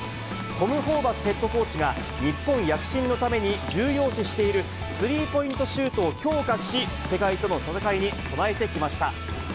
トム・ホーバスヘッドコーチが日本躍進のために重要視しているスリーポイントシュートを強化し、世界との戦いに備えてきました。